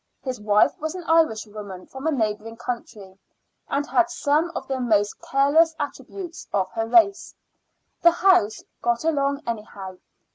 His wife was an Irishwoman from a neighboring county, and had some of the most careless attributes of her race. The house got along anyhow.